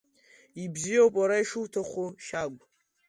Ибзиоуп, уара ишуҭаху, Шьагә!